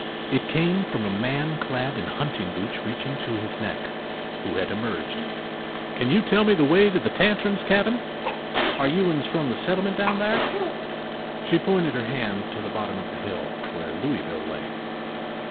It came from a man clad in hunting boots reaching to his neck, who had emerged. “Can you tell me the way to the Tantrums’ cabin?” “Are you uns from the settlements down thar?” She pointed her hand down to the bottom of the hill, where Louisville lay.